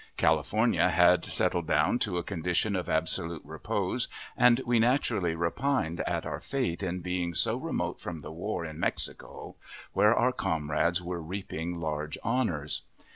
California had settled down to a condition of absolute repose, and we naturally repined at our fate in being so remote from the war in Mexico, where our comrades were reaping large honors.